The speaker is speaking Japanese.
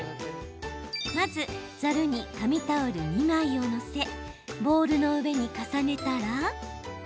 まず、ざるに紙タオル２枚を載せボウルの上に重ねたら。